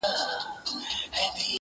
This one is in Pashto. د ژوندون خواست یې کوه له ربه یاره